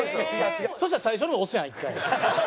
そしたら最初に押すやん１回。